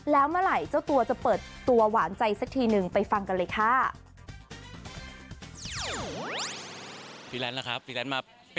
แล้วเมื่อไหร่เจ้าตัวจะเปิดตัวหวานใจสักทีนึงไปฟังกันเลยค่ะ